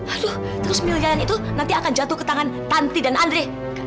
aduh terus miliaran itu nanti akan jatuh ke tangan panti dan andre